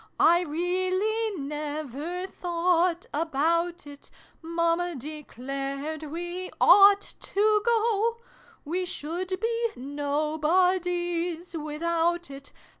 I really never thought about it : Mamma declared we ought to go We should be Nobodies without it.